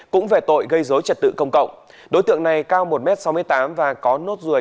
cũng về tội gây dối trật tự công cộng đối tượng này cao một m sáu mươi tám và có nốt ruồi